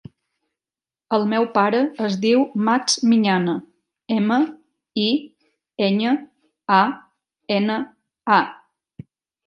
El meu pare es diu Max Miñana: ema, i, enya, a, ena, a.